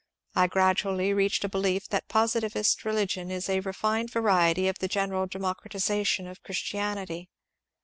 I gradually reached a belief that positivist religion is a refined variety of the general democratization of Christianity.